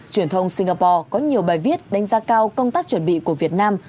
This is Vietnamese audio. truyền thông singapore có nhiều bài viết đánh giá cao công tác chuẩn bị của việt nam